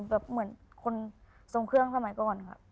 เหมือนคนทรงเครื่องสมัยก่อนค่ะ